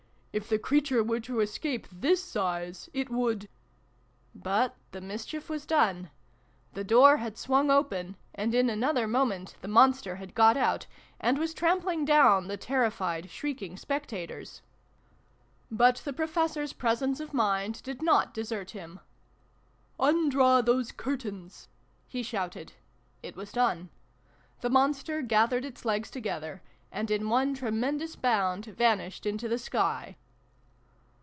"If the creature were to escape, this size, it would " But the mischief was done. The door had swung open, and in another moment the Monster had got out, and was trampling down the terrified, shrieking spectators. z 338 SYLVIE AND BRUNO CONCLUDED. But the Professor's presence of mind did not desert him. " Undraw those curtains !" he shouted. It was done. The Monster gathered its legs together, and in one tremendous bound vanished into the sky.